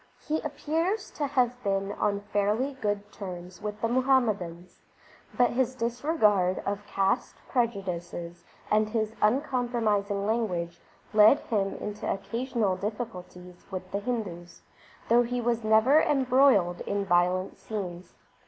He appears to have been on fairly good terms with Muhammadans, but his disregard of caste prejudices and his uncompromising language led him into occasional difficulties with the Hindus, though he was never embroiled in violent scenes.